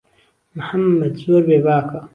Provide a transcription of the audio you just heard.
محەممەد زۆر بێ باکه